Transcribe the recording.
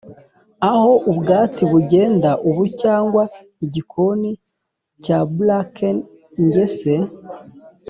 aho ubwatsi bugenda ubu cyangwa igikoni cya bracken ingese